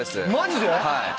はい。